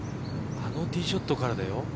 あのティーショットからだよ。